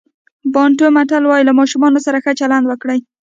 بانټو متل وایي له ماشوم سره ښه چلند وکړئ.